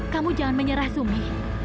kamu jangan menyerah sumi